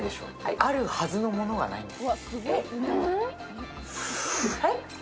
あるはずのものがないんです。